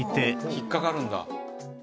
「引っかかるんだ」